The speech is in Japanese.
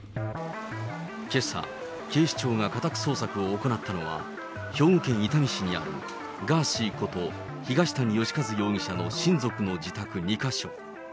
けさ、警視庁が家宅捜索を行ったのは、兵庫県伊丹市にあるガーシーこと東谷義和容疑者の親族の自宅２か所。